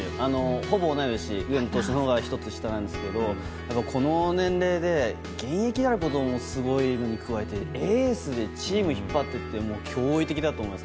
ほぼ同い年上野投手のほうが１つ下なんですけどこの年齢で現役であることもすごいのに加えてエースでチーム引っ張っていて驚異的だと思います。